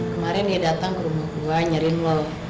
kemarin dia datang ke rumah gue nyariin wolf